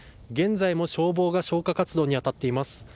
現在も消防が消火活動に当たっています。